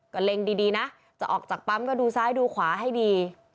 ก็เล็งดีนะจะออกจากปั๊มก็ดูซ้ายดูขวาให้ดี